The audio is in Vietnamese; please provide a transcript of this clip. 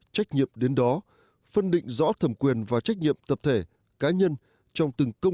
trách nhiệm đến đó phân định rõ thẩm quyền và trách nhiệm tập thể cá nhân trong từng công